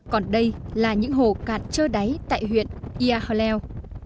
còn đây là những hồ cạn trơ đáy tại huyện yia hò lèo